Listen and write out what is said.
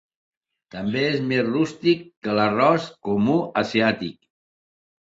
També és més rústic que l'arròs comú asiàtic.